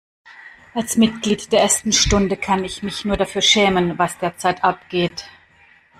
Als Mitglied der ersten Stunde kann ich mich nur dafür schämen, was derzeit abgeht.